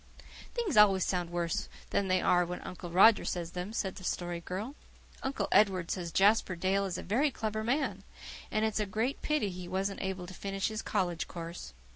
"Things always sound worse than they are when Uncle Roger says them," said the Story Girl. "Uncle Edward says Jasper Dale is a very clever man and it's a great pity he wasn't able to finish his college course.